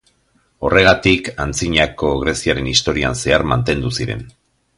Horregatik, Antzinako Greziaren historian zehar mantendu ziren.